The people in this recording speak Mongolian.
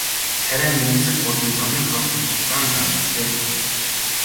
Царай нь энгэсэг болон замын тоосонд зузаан дарагджээ.